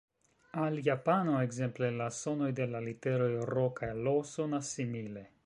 Al japano, ekzemple, la sonoj de la literoj R kaj L sonas simile.